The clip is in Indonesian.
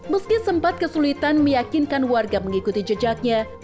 meski sempat kesulitan meyakinkan warga mengikuti jejaknya